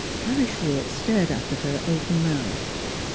Harry Schwartz stared after her open mouthed.